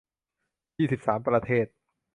ยี่สิบสาม ประเทศ